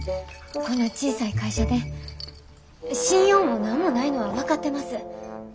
こんな小さい会社で信用も何もないのは分かってます。